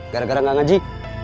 gara gara gak ngaji